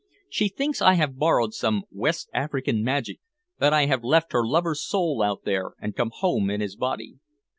She thinks I have borrowed some West African magic, that I have left her lover's soul out there and come home in his body."